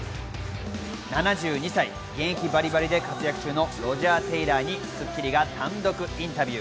７２歳現役バリバリで活躍中のロジャー・テイラーに『スッキリ』が単独インタビュー。